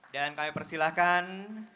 dan kami persilahkan